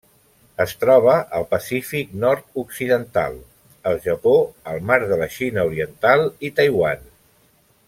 Es troba al Pacífic nord-occidental: el Japó, el mar de la Xina Oriental i Taiwan.